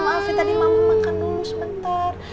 maaf ya tadi mama makan dulu sebentar